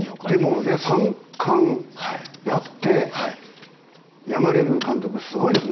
でも、３冠やって辞めれる監督、すごいですね。